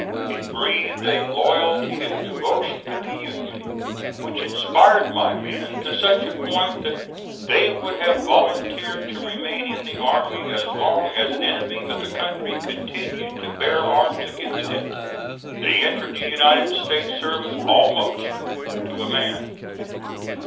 It breathed a loyalty and devotion to the Union which inspired my men to such a point that they would have volunteered to remain in the army as long as an enemy of the country continued to bear arms against it. They entered the United States service almost to a man.